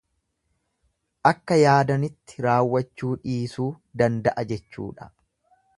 Akka yaadanitti raawwachuu dhiisuu danda'a jechuudha.